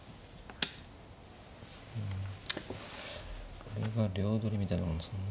これが両取りみたいなもんですもんね。